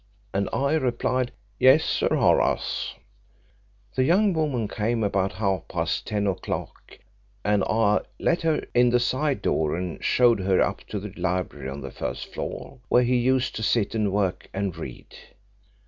and I replied, 'Yes, Sir Horace,' The young woman came about half past ten o'clock, and I let her in the side door and showed her up to the library on the first floor, where he used to sit and work and read.